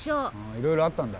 いろいろあったんだ。